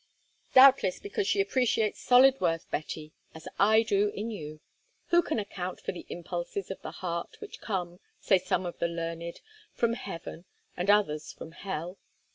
"Doubtless because she appreciates solid worth, Betty, as I do in you. Who can account for the impulses of the heart, which come, say some of the learned, from heaven, and others, from hell?